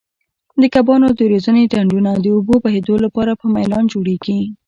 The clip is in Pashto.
د کبانو د روزنې ډنډونه د اوبو بهېدو لپاره په میلان جوړیږي.